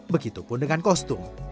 begitupun dengan kostum